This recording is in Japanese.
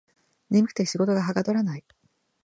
眠くて仕事がはかどらない